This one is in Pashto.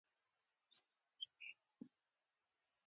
یخ خټکی ډېر خوند کوي.